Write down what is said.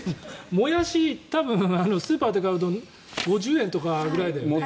モヤシ、スーパーで買うと５０円ぐらいだよね。